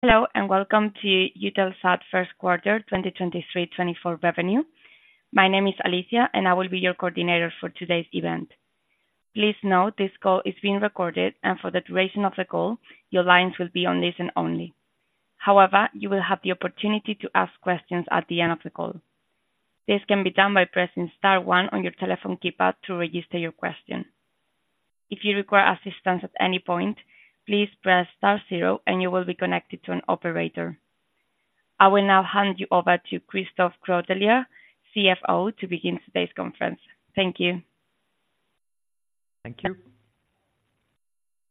Hello, and welcome to Eutelsat First Quarter 2023-24 Revenue. My name is Alicia, and I will be your coordinator for today's event. Please note this call is being recorded, and for the duration of the call, your lines will be on listen only. However, you will have the opportunity to ask questions at the end of the call. This can be done by pressing star one on your telephone keypad to register your question. If you require assistance at any point, please press star zero and you will be connected to an operator. I will now hand you over to Christophe Caudrelier, CFO, to begin today's conference. Thank you. Thank you.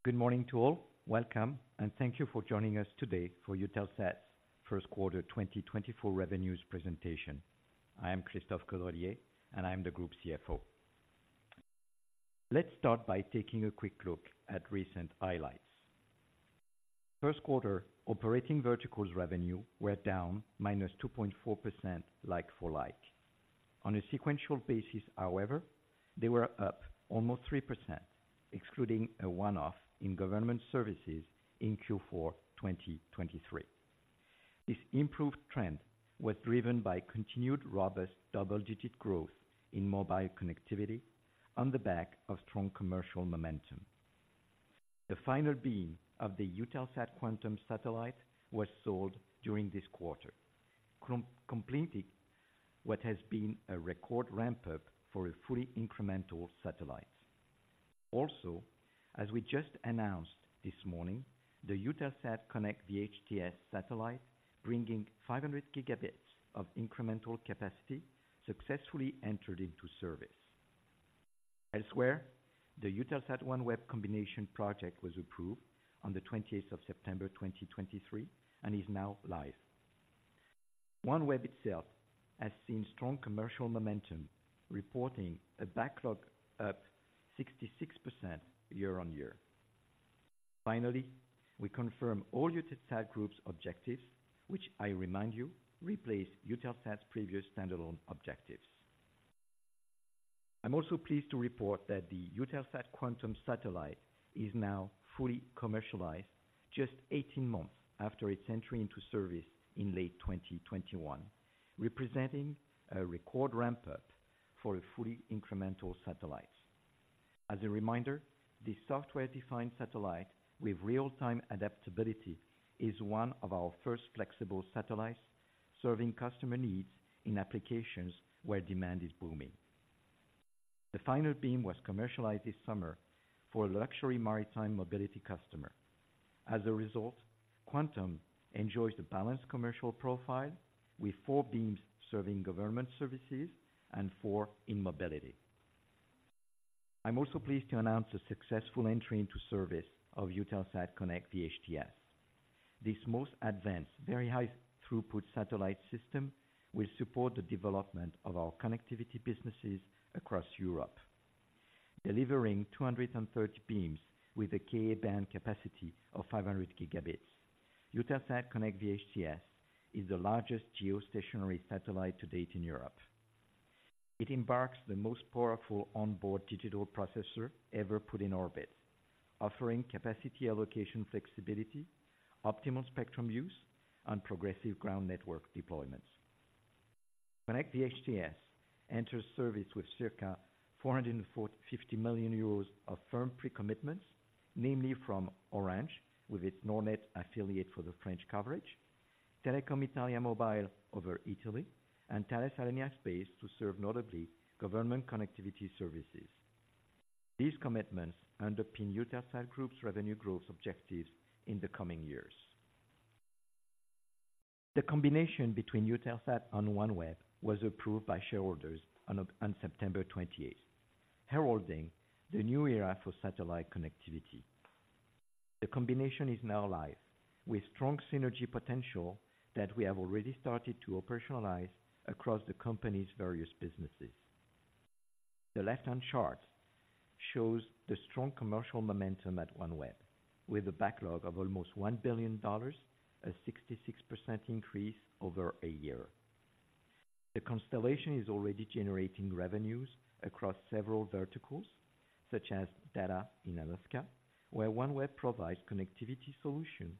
Good morning to all. Welcome, and thank you for joining us today for Eutelsat's First Quarter 2024 Revenues Presentation. I am Christophe Caudrelier, and I am the group CFO. Let's start by taking a quick look at recent highlights. First quarter operating verticals revenue were down -2.4% like-for-like. On a sequential basis, however, they were up almost 3%, excluding a one-off in government services in Q4 2023. This improved trend was driven by continued robust double-digit growth in mobile connectivity on the back of strong commercial momentum. The final beam of the EUTELSAT QUANTUM satellite was sold during this quarter, completing what has been a record ramp-up for a fully incremental satellite. Also, as we just announced this morning, the EUTELSAT KONNECT VHTS satellite, bringing 500 Gbps of incremental capacity, successfully entered into service. Elsewhere, the Eutelsat OneWeb combination project was approved on the 20th of September 2023 and is now live. OneWeb itself has seen strong commercial momentum, reporting a backlog up 66% year-on-year. Finally, we confirm all Eutelsat Group's objectives, which, I remind you, replace Eutelsat's previous standalone objectives. I'm also pleased to report that the EUTELSAT QUANTUM satellite is now fully commercialized just 18 months after its entry into service in late 2021, representing a record ramp-up for a fully incremental satellite. As a reminder, the software-defined satellite with real-time adaptability is one of our first flexible satellites, serving customer needs in applications where demand is booming. The final beam was commercialized this summer for a luxury maritime mobility customer. As a result, EUTELSAT QUANTUM enjoys a balanced commercial profile, with four beams serving government services and four in mobility. I'm also pleased to announce a successful entry into service of EUTELSAT KONNECT VHTS. This most advanced, very high throughput satellite system will support the development of our connectivity businesses across Europe, delivering 230 beams with a Ka-band capacity of 500 Gbps. EUTELSAT KONNECT VHTS is the largest geostationary satellite to date in Europe. It embarks the most powerful onboard digital processor ever put in orbit, offering capacity allocation flexibility, optimal spectrum use, and progressive ground network deployments. KONNECT VHTS enters service with circa 450 million euros of firm pre-commitments, namely from Orange, with its Nordnet affiliate for the French coverage, Telecom Italia Mobile over Italy, and Thales Alenia Space to serve notably government connectivity services. These commitments underpin Eutelsat Group's revenue growth objectives in the coming years. The combination between Eutelsat and OneWeb was approved by shareholders on September 28th, heralding the new era for satellite connectivity. The combination is now live, with strong synergy potential that we have already started to operationalize across the company's various businesses. The left-hand chart shows the strong commercial momentum at OneWeb, with a backlog of almost $1 billion, a 66% increase over a year. The constellation is already generating revenues across several verticals, such as data in Alaska, where OneWeb provides connectivity solution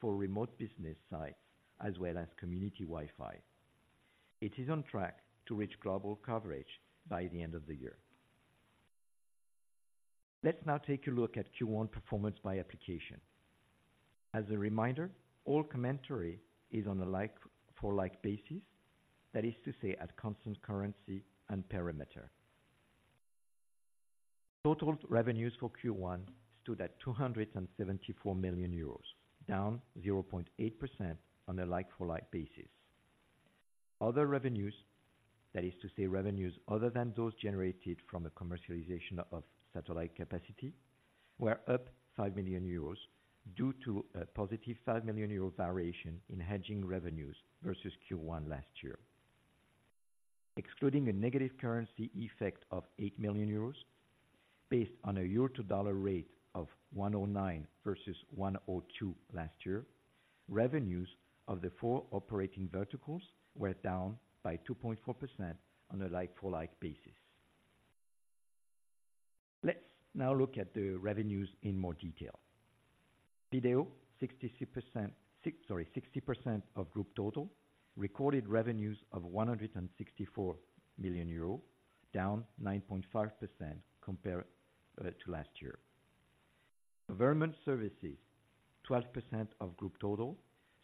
for remote business sites as well as community Wi-Fi. It is on track to reach global coverage by the end of the year. Let's now take a look at Q1 performance by application. As a reminder, all commentary is on a like-for-like basis, that is to say, at constant currency and perimeter. Total revenues for Q1 stood at 274 million euros, down 0.8% on a like-for-like basis. Other revenues, that is to say, revenues other than those generated from the commercialization of satellite capacity, were up 5 million euros due to a positive 5 million euro variation in hedging revenues versus Q1 last year. Excluding a negative currency effect of 8 million euros based on a euro to dollar rate of 1.09 versus 1.02 last year, revenues of the four operating verticals were down by 2.4% on a like-for-like basis. Let's now look at the revenues in more detail. Video, 60% of group total, recorded revenues of 164 million euro, down 9.5% compared to last year. Environment services, 12% of group total,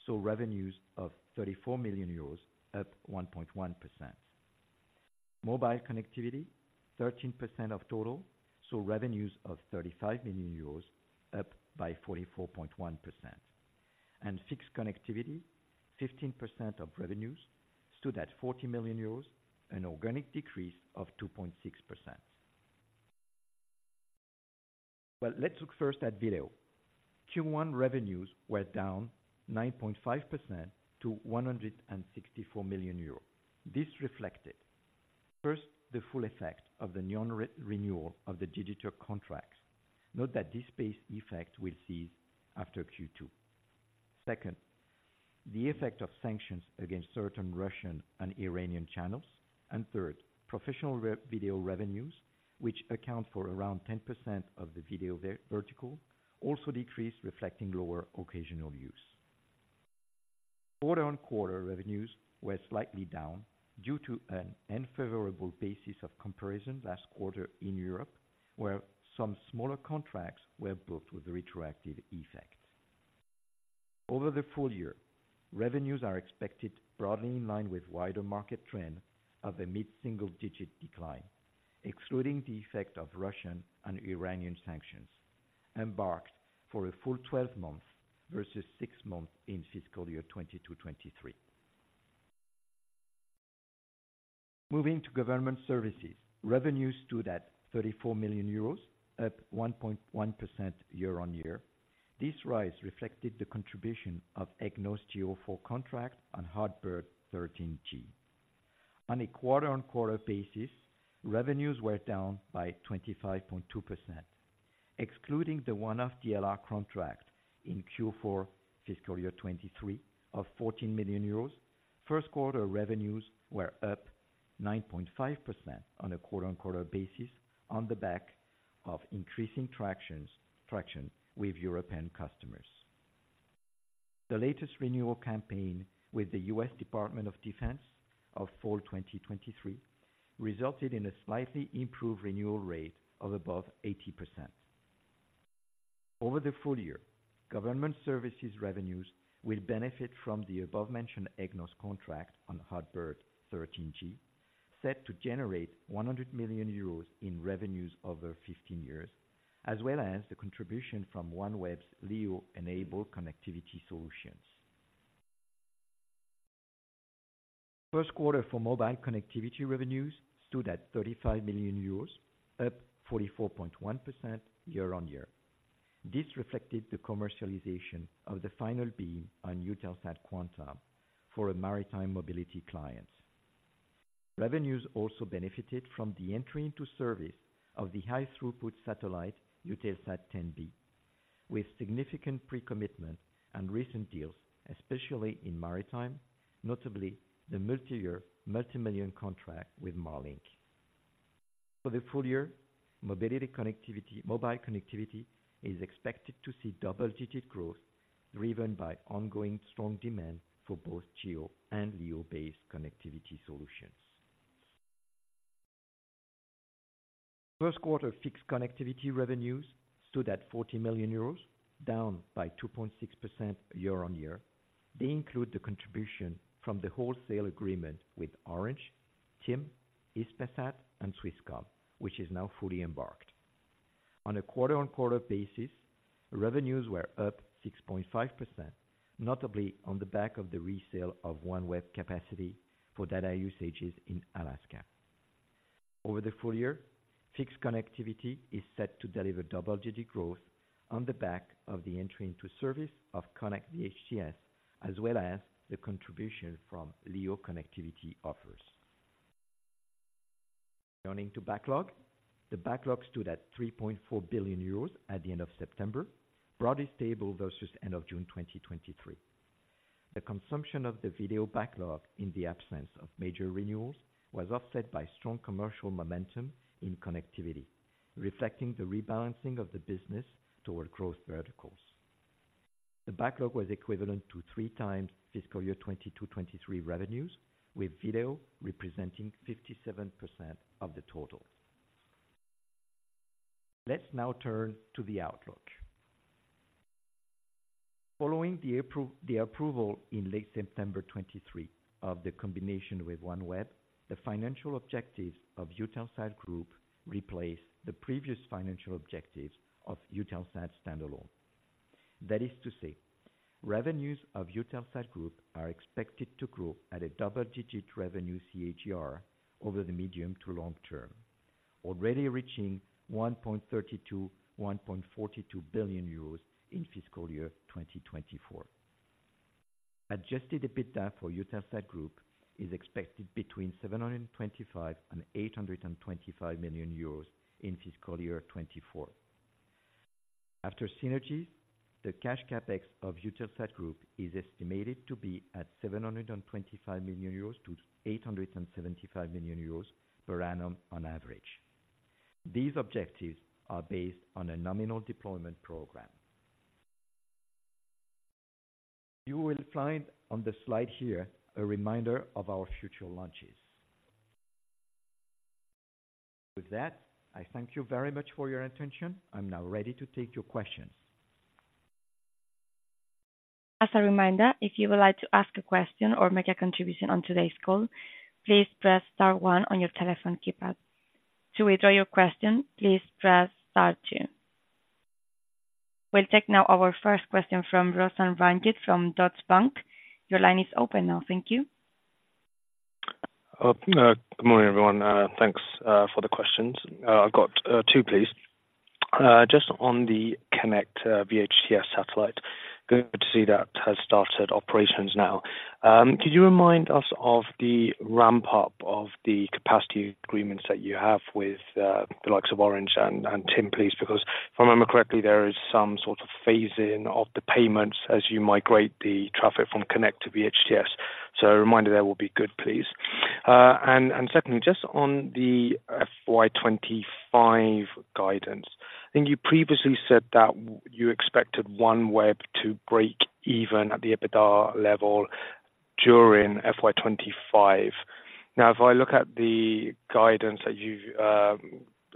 saw revenues of 34 million euros, up 1.1%. Mobile connectivity, 13% of total, saw revenues of 35 million euros, up by 44.1%. Fixed connectivity, 15% of revenues, stood at 40 million euros, an organic decrease of 2.6%. Well, let's look first at video. Q1 revenues were down 9.5% to 164 million euros. This reflected, first, the full effect of the non-renewal of the digital contracts. Note that this base effect will cease after Q2. Second, the effect of sanctions against certain Russian and Iranian channels. And third, professional video revenues, which account for around 10% of the video vertical, also decreased, reflecting lower occasional use. Quarter-on-quarter revenues were slightly down due to an unfavorable basis of comparison last quarter in Europe, where some smaller contracts were booked with retroactive effects. Over the full year, revenues are expected broadly in line with wider market trend of a mid-single digit decline, excluding the effect of Russian and Iranian sanctions, embarked for a full 12 months versus 6 months in fiscal year 2022-2023. Moving to government services, revenues stood at 34 million euros, up 1.1% year-on-year. This rise reflected the contribution of EGNOS GEO-4 contract on HOTBIRD 13G. On a quarter-on-quarter basis, revenues were down by 25.2%. Excluding the one-off DLR contract in Q4 fiscal year 2023 of 14 million euros, first quarter revenues were up 9.5% on a quarter-on-quarter basis, on the back of increasing traction with European customers. The latest renewal campaign with the U.S. Department of Defense of fall 2023 resulted in a slightly improved renewal rate of above 80%. Over the full year, government services revenues will benefit from the above-mentioned EGNOS contract on HOTBIRD 13G, set to generate 100 million euros in revenues over 15 years, as well as the contribution from OneWeb's LEO-enabled connectivity solutions. First quarter for mobile connectivity revenues stood at 35 million euros, up 44.1% year-on-year. This reflected the commercialization of the final beam on EUTELSAT QUANTUM for a maritime mobility client. Revenues also benefited from the entry into service of the high-throughput satellite, EUTELSAT 10B, with significant pre-commitment and recent deals, especially in maritime, notably the multi-year, multi-million contract with Marlink. For the full year, mobility connectivity, mobile connectivity is expected to see double-digit growth, driven by ongoing strong demand for both GEO and LEO-based connectivity solutions. First quarter fixed connectivity revenues stood at 40 million euros, down by 2.6% year-on-year. They include the contribution from the wholesale agreement with Orange, TIM, Hispasat, and Swisscom, which is now fully embarked. On a quarter-on-quarter basis, revenues were up 6.5%, notably on the back of the resale of OneWeb capacity for data usages in Alaska. Over the full year, fixed connectivity is set to deliver double-digit growth on the back of the entry into service of KONNECT HTS, as well as the contribution from LEO connectivity offers. Turning to backlog. The backlog stood at 3.4 billion euros at the end of September, broadly stable versus end of June 2023. The consumption of the video backlog, in the absence of major renewals, was offset by strong commercial momentum in connectivity, reflecting the rebalancing of the business toward growth verticals. The backlog was equivalent to 3 times fiscal year 2022-2023 revenues, with video representing 57% of the total. Let's now turn to the outlook. Following the approval in late September 2023 of the combination with OneWeb, the financial objectives of Eutelsat Group replaced the previous financial objectives of Eutelsat standalone. That is to say, revenues of Eutelsat Group are expected to grow at a double-digit revenue CAGR over the medium to long term, already reaching 1.32-1.42 billion euros in fiscal year 2024. Adjusted EBITDA for Eutelsat Group is expected between 725 million and 825 million euros in fiscal year 2024. After synergies, the cash CapEx of Eutelsat Group is estimated to be at 725 million-875 million euros per annum on average. These objectives are based on a nominal deployment program. You will find on the slide here, a reminder of our future launches. With that, I thank you very much for your attention. I'm now ready to take your questions. As a reminder, if you would like to ask a question or make a contribution on today's call, please press star one on your telephone keypad. To withdraw your question, please press star two. We'll take now our first question from Roshan Ranjit from Deutsche Bank. Your line is open now. Thank you. Good morning, everyone. Thanks for the questions. I've got two, please. Just on the KONNECT VHTS satellite, good to see that has started operations now. Could you remind us of the ramp up of the capacity agreements that you have with the likes of Orange and TIM, please? Because if I remember correctly, there is some sort of phasing of the payments as you migrate the traffic from KONNECT to VHTS. So a reminder there will be good, please. And secondly, just on the FY 25 guidance, I think you previously said that you expected OneWeb to break even at the EBITDA level during FY 25. Now, if I look at the guidance that you've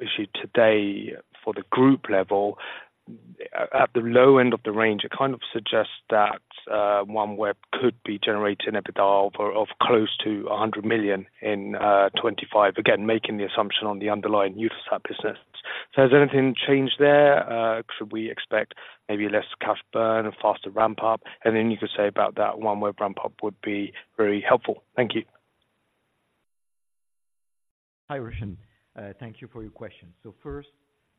issued today for the group level, at the low end of the range, it kind of suggests that OneWeb could be generating EBITDA of close to 100 million in 2025, again, making the assumption on the underlying Eutelsat business. So has anything changed there? Should we expect maybe less cash burn and faster ramp up? And anything you could say about that OneWeb ramp up would be very helpful. Thank you. Hi, Roshan. Thank you for your question. So first,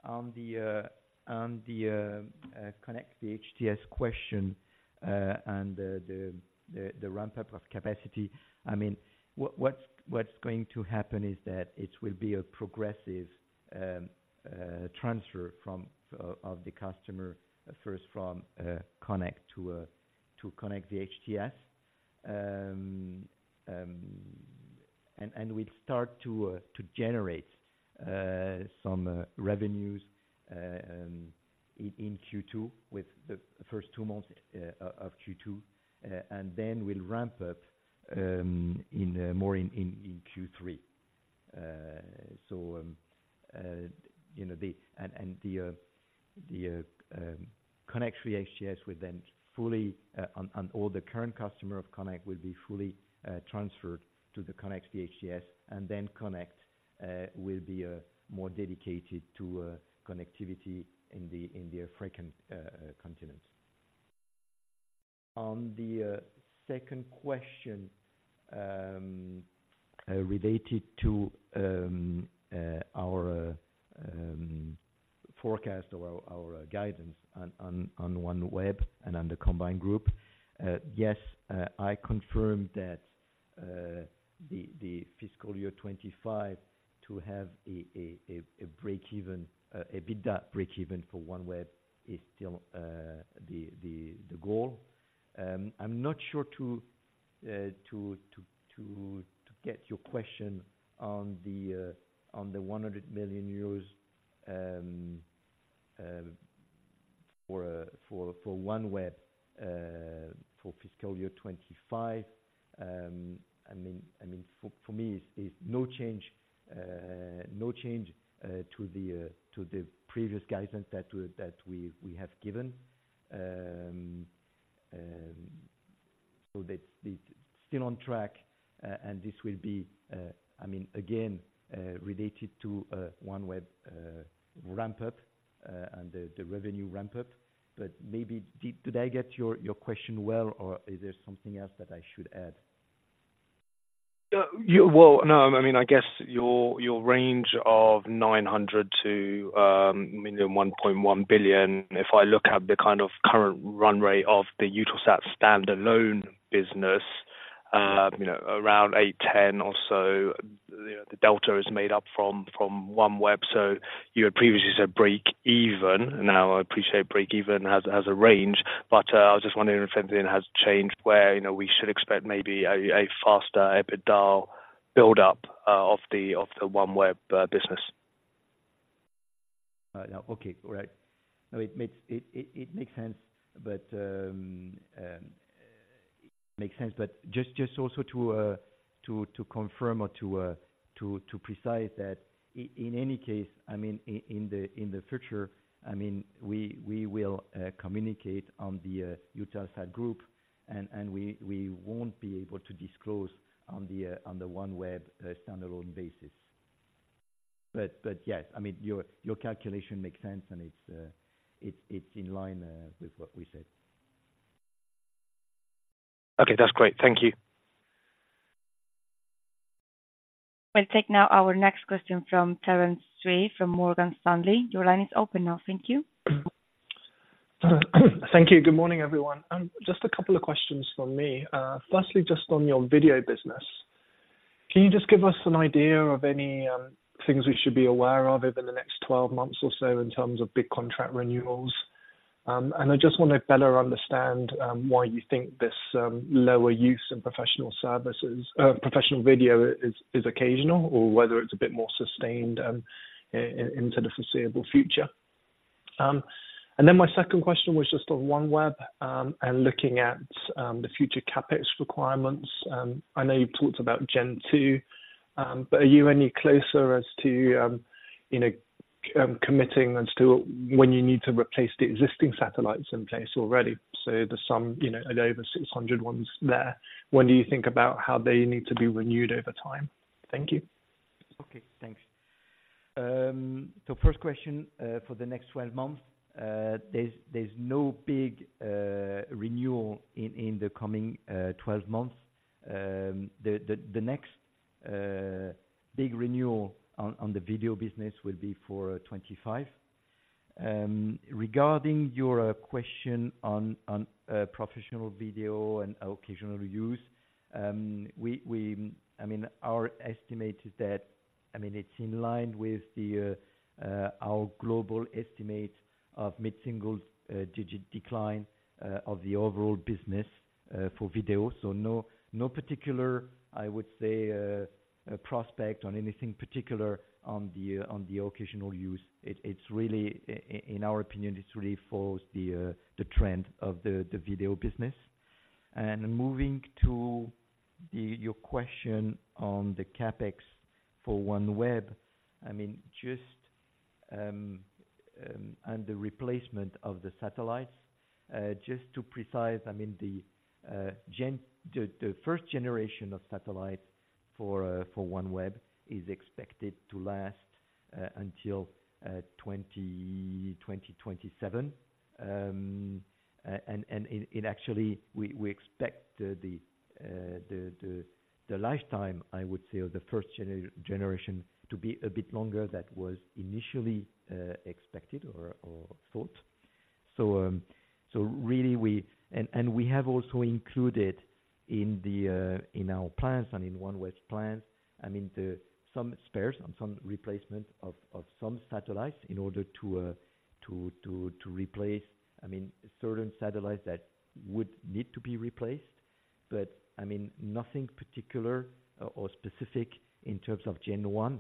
on the KONNECT VHTS question, and the ramp up of capacity. I mean, what's going to happen is that it will be a progressive transfer from of the customer, first from KONNECT to KONNECT VHTS. And we'd start to generate some revenues in Q2 with the first two months of Q2, and then we'll ramp up more in Q3. So, you know, the... And the KONNECT VHTS will then fully, and all the current customer of KONNECT will be fully transferred to the KONNECT VHTS, and then KONNECT will be more dedicated to connectivity in the African continent. On the second question, related to our forecast or our guidance on OneWeb and on the combined group. Yes, I confirm that the fiscal year 2025, to have a break even EBITDA break even for OneWeb is still the goal. I'm not sure to get your question on the 100 million euros for OneWeb for fiscal year 2025. I mean, for me, it's no change to the previous guidance that we have given. So that's still on track, and this will be, I mean, again, related to OneWeb ramp up and the revenue ramp up. But maybe did I get your question well, or is there something else that I should add? Yeah, well, no, I mean, I guess your range of 900 million-1.1 billion, if I look at the kind of current run rate of the Eutelsat standalone business, you know, around 810 or so, the delta is made up from OneWeb. So you had previously said break even. Now, I appreciate break even has a range, but I was just wondering if anything has changed where, you know, we should expect maybe a faster EBITDA build up of the OneWeb business. Now, okay. All right. No, it makes sense. But it makes sense, but just also to confirm or to specify that in any case, I mean, in the future, I mean, we will communicate on the Eutelsat Group and we won't be able to disclose on the OneWeb standalone basis. But yes, I mean, your calculation makes sense, and it's in line with what we said. Okay, that's great. Thank you. We'll take now our next question from Terence Tsui, from Morgan Stanley. Your line is open now. Thank you. Thank you. Good morning, everyone. Just a couple of questions from me. Firstly, just on your video business.... Can you just give us an idea of any, things we should be aware of over the next 12 months or so in terms of big contract renewals? And I just wanna better understand, why you think this, lower use in professional services, professional video is occasional, or whether it's a bit more sustained, into the foreseeable future. And then my second question was just on OneWeb, and looking at, the future CapEx requirements. I know you talked about Gen2, but are you any closer as to, you know, committing as to when you need to replace the existing satellites in place already? So the sum, you know, over 600 ones there, when do you think about how they need to be renewed over time? Thank you. Okay, thanks. So first question, for the next 12 months, there's no big renewal in the coming 12 months. The next big renewal on the video business will be for 2025. Regarding your question on professional video and occasional use, we—I mean, our estimate is that, I mean, it's in line with our global estimate of mid-single-digit decline of the overall business for video. So no particular, I would say, a prospect on anything particular on the occasional use. It's really, in our opinion, it really follows the trend of the video business. Moving to your question on the CapEx for OneWeb, I mean, just and the replacement of the satellites. Just to be precise, I mean, the first generation of satellites for OneWeb is expected to last until 2027. And it actually, we expect the lifetime, I would say, of the first generation to be a bit longer than was initially expected or thought. So really, we have also included in our plans and in OneWeb's plans, I mean, some spares and some replacement of some satellites in order to replace certain satellites that would need to be replaced. But, I mean, nothing particular or specific in terms of Gen1,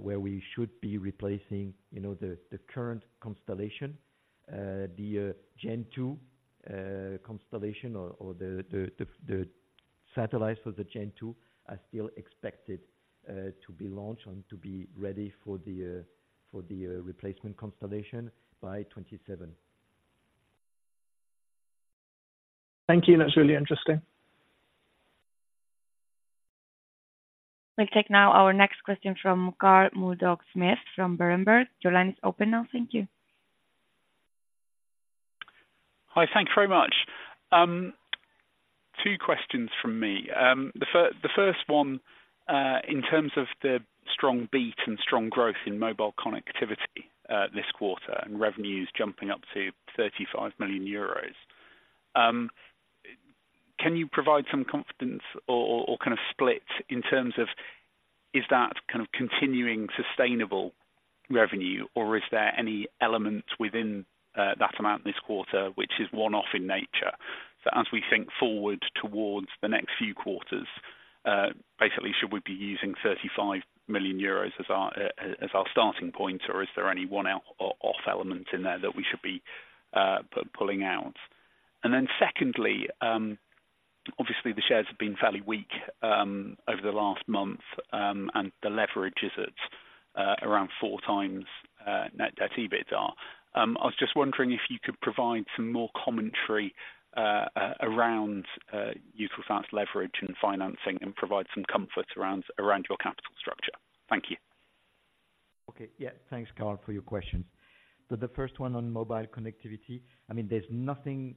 where we should be replacing, you know, the current constellation. The Gen2 constellation or the satellites for the Gen2 are still expected to be launched and to be ready for the replacement constellation by 2027. Thank you. That's really interesting. We'll take now our next question from Carl Murdock-Smith, from Berenberg. Your line is open now. Thank you. Hi, thank you very much. Two questions from me. The first one, in terms of the strong beat and strong growth in mobile connectivity, this quarter, and revenues jumping up to 35 million euros, can you provide some confidence or kind of split in terms of is that kind of continuing sustainable revenue, or is there any element within that amount this quarter, which is one-off in nature? So as we think forward towards the next few quarters, basically, should we be using 35 million euros as our starting point, or is there any one-off element in there that we should be pulling out? Then secondly, obviously, the shares have been fairly weak over the last month, and the leverage is at around 4x net debt EBITDA. I was just wondering if you could provide some more commentary around Eutelsat's leverage and financing, and provide some comfort around your capital structure. Thank you. Okay. Yeah, thanks, Carl, for your questions. So the first one on mobile connectivity, I mean, there's nothing,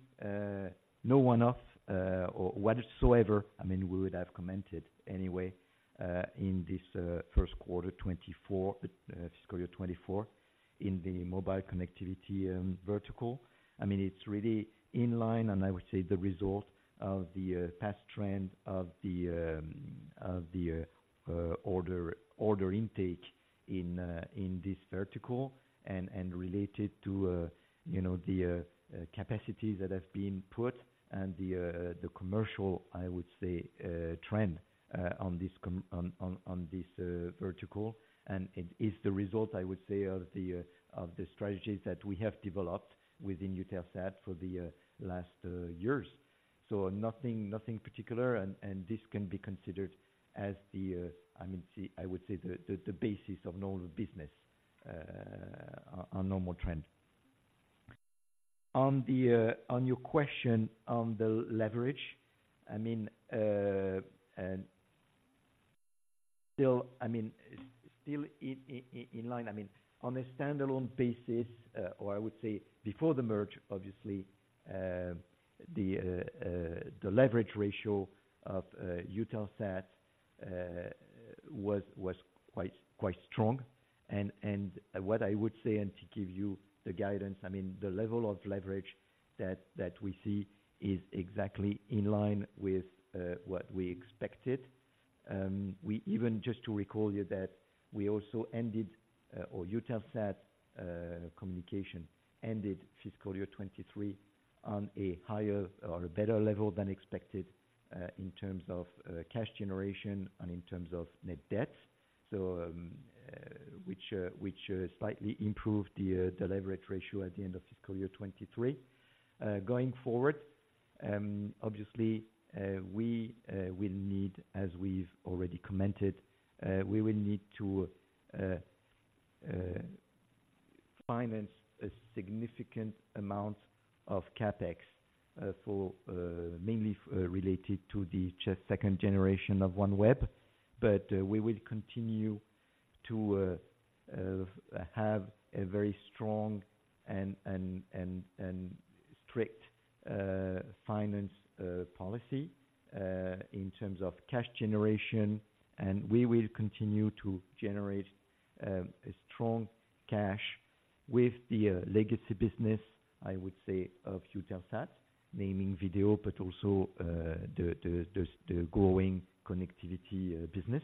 no one off, or whatsoever, I mean, we would have commented anyway, in this first quarter 2024, fiscal year 2024, in the mobile connectivity vertical. I mean, it's really in line, and I would say, the result of the past trend of the order intake in this vertical. And related to, you know, the capacities that have been put and the commercial, I would say, trend on this vertical. And it is the result, I would say, of the strategies that we have developed within Eutelsat for the last years. So nothing particular, and this can be considered as the, I mean, the, I would say, the basis of normal business, a normal trend. On your question on the leverage, I mean, and still, I mean, still in line, I mean, on a standalone basis, or I would say before the merge, obviously, the leverage ratio of Eutelsat was quite strong. And what I would say, and to give you the guidance, I mean, the level of leverage that we see is exactly in line with what we expected. We even just to recall you that we also, our Eutelsat Communications, ended fiscal year 2023 on a higher or a better level than expected in terms of cash generation and in terms of net debt. So which slightly improved the leverage ratio at the end of fiscal year 2023. Going forward obviously we will need as we've already commented we will need to finance a significant amount of CapEx mainly related to the second generation of OneWeb. But we will continue to have a very strong and strict financial policy in terms of cash generation, and we will continue to generate a strong cash with the legacy business, I would say, of Eutelsat, namely video, but also the growing connectivity business.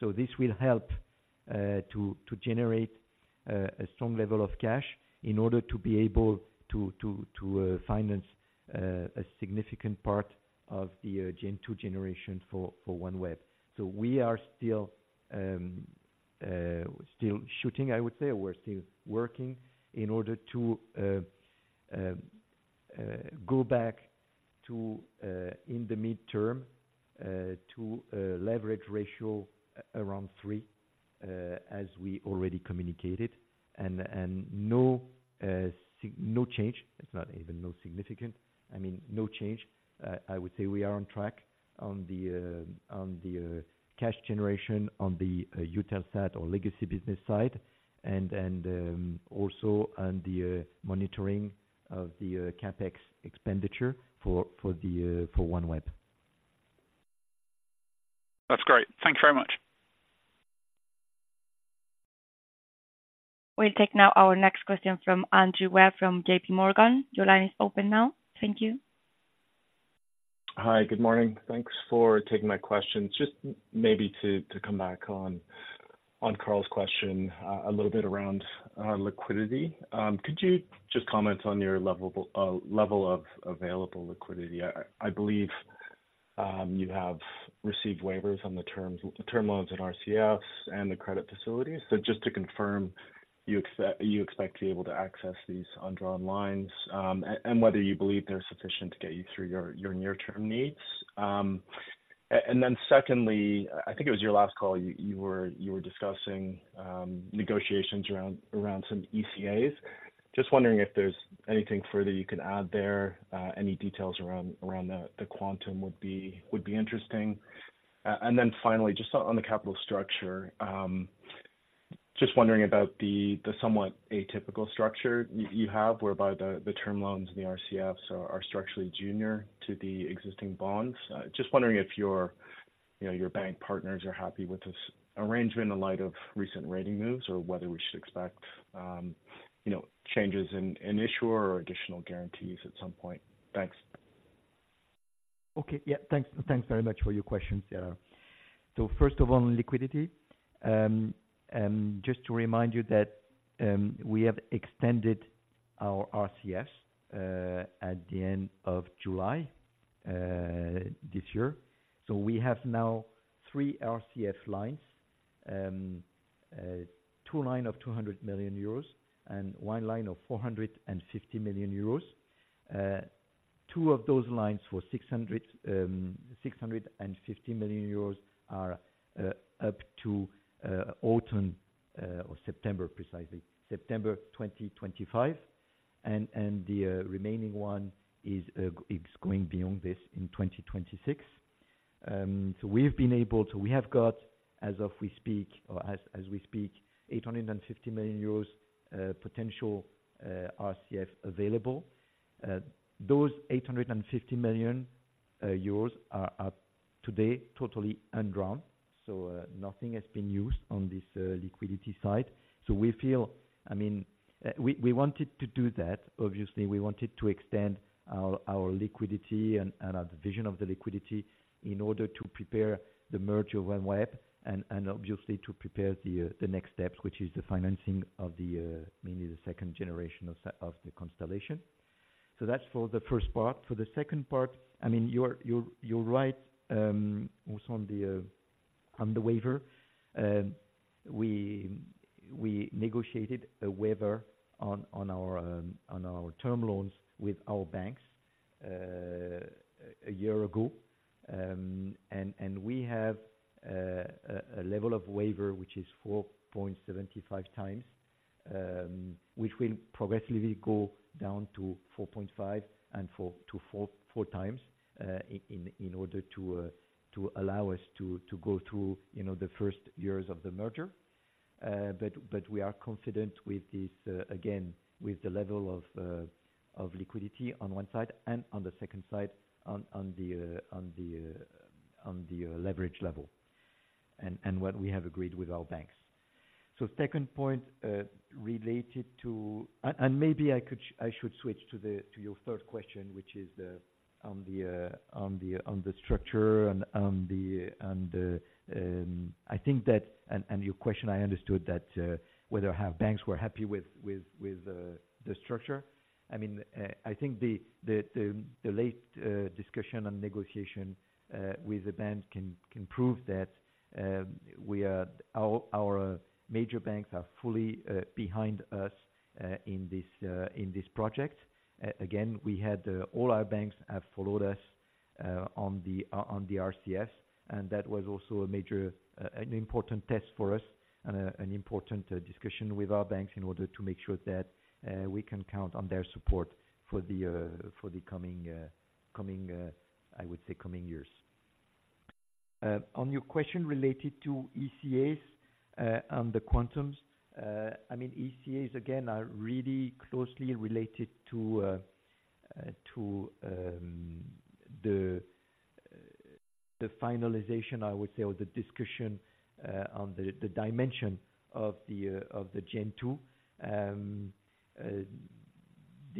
So this will help to finance a significant part of the Gen 2 generation for OneWeb. So we are still shooting, I would say. We're still working in order to go back to, in the mid-term, a leverage ratio around three, as we already communicated. And no significant change. It's not even significant. I mean, no change. I would say we are on track on the cash generation, on the Eutelsat or legacy business side, and also on the monitoring of the CapEx expenditure for OneWeb. That's great. Thank you very much. We'll take now our next question from Andrew Webb, from JPMorgan. Your line is open now. Thank you. Hi. Good morning. Thanks for taking my questions. Just maybe to come back on Carl's question, a little bit around liquidity. Could you just comment on your level of available liquidity? I believe you have received waivers on the terms, the term loans and RCFs and the credit facilities. So just to confirm, you expect to be able to access these undrawn lines, and whether you believe they're sufficient to get you through your near-term needs? And then secondly, I think it was your last call, you were discussing negotiations around some ECAs. Just wondering if there's anything further you could add there. Any details around the quantum would be interesting. And then finally, just on the capital structure, just wondering about the somewhat atypical structure you have, whereby the term loans and the RCFs are structurally junior to the existing bonds. Just wondering if your, you know, your bank partners are happy with this arrangement in light of recent rating moves, or whether we should expect, you know, changes in issuer or additional guarantees at some point. Thanks. Okay. Yeah, thanks. Thanks very much for your questions, yeah. So first of all, on liquidity, just to remind you that we have extended our RCFs at the end of July this year. So we have now three RCF lines, two line of 200 million euros and one line of 450 million euros. Two of those lines for 650 million euros are up to autumn or September, precisely, September 2025. And the remaining one is going beyond this in 2026. So we've been able to. We have got, as of we speak or as we speak, 850 million euros potential RCF available. Those 850 million euros are today totally undrawn. So, nothing has been used on this liquidity side. So we feel, I mean, we wanted to do that. Obviously, we wanted to extend our liquidity and our vision of the liquidity in order to prepare the merger OneWeb and obviously to prepare the next steps, which is the financing of mainly the second generation of the constellation. So that's for the first part. For the second part, I mean, you're right, also on the waiver. We negotiated a waiver on our term loans with our banks a year ago. And we have a level of waiver, which is 4.75 times, which will progressively go down to 4.5 and 4 to 4.4 times, in order to allow us to go through, you know, the first years of the merger. But we are confident with this, again, with the level of liquidity on one side, and on the second side, on the leverage level, and what we have agreed with our banks. So second point, related to - and maybe I could, I should switch to your third question, which is on the structure and on the. I think that's your question. I understood that whether how banks were happy with the structure. I mean, I think the late discussion and negotiation with the banks can prove that all our major banks are fully behind us in this project. Again, we had all our banks have followed us on the RCF, and that was also a major, an important test for us and an important discussion with our banks in order to make sure that we can count on their support for the coming years. On your question related to ECAs, on the quantum, I mean, ECAs, again, are really closely related to the finalization, I would say, or the discussion on the dimension of the Gen2.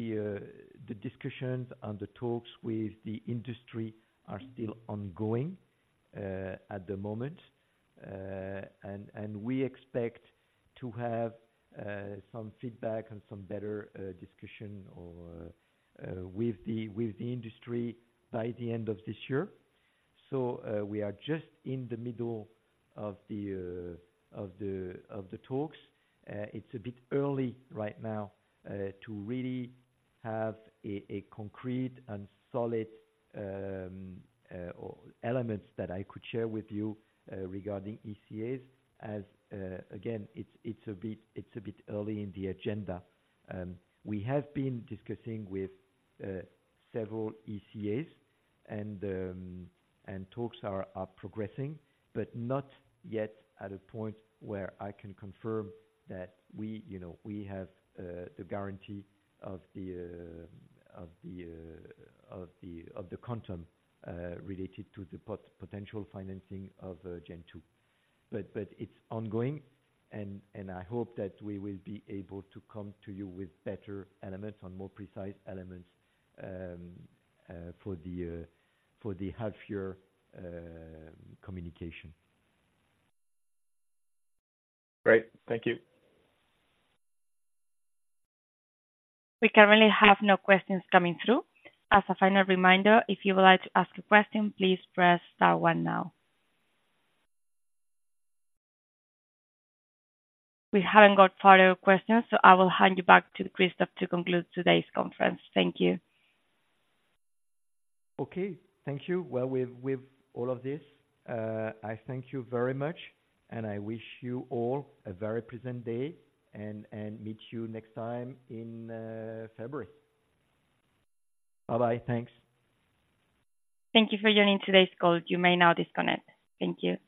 The discussions and the talks with the industry are still ongoing at the moment. And we expect to have some feedback and some better discussion or with the industry by the end of this year. So, we are just in the middle of the talks. It's a bit early right now to really have a concrete and solid or elements that I could share with you regarding ECAs as again, it's a bit early in the agenda. We have been discussing with several ECAs, and talks are progressing, but not yet at a point where I can confirm that we, you know, we have the guarantee of the quantum related to the potential financing of Gen2. But it's ongoing, and I hope that we will be able to come to you with better elements and more precise elements for the half year communication. Great. Thank you. We currently have no questions coming through. As a final reminder, if you would like to ask a question, please press star one now. We haven't got further questions, so I will hand you back to Christophe to conclude today's conference. Thank you. Okay. Thank you. Well, with all of this, I thank you very much, and I wish you all a very pleasant day and meet you next time in February. Bye-bye. Thanks. Thank you for joining today's call. You may now disconnect. Thank you.